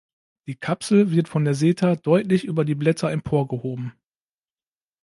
Die Kapsel wird von der Seta deutlich über die Blätter emporgehoben.